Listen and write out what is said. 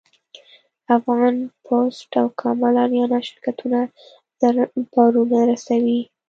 افغان پسټ او کابل اریانا شرکتونه زر بارونه رسوي.